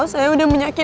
saya sudah tahan sampai